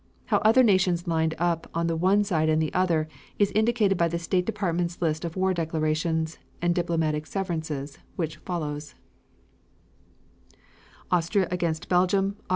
How other nations lined up on the one side and the other is indicated by the State Department's list of war declarations, and diplomatic severances, which follows: Austria against Belgium, Aug.